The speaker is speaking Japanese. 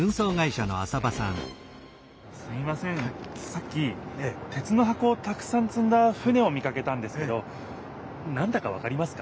さっき鉄の箱をたくさんつんだ船を見かけたんですけどなんだかわかりますか？